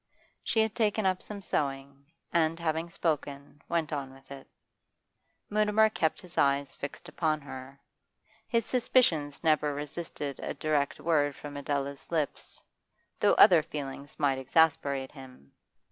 She had taken up some sewing, and, having spoken, went on with it. Mutimer kept his eyes fixed upon her. His suspicions never resisted a direct word from Adela's lips, though other feelings might exasperate him.